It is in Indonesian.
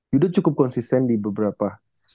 yudho cukup konsisten di beberapa